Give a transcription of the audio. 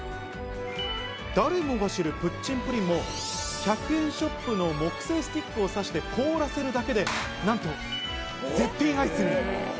誰もが知るプッチンプリンも、１００円ショップの木製スティックを刺して凍らせるだけでなんと絶品アイスに。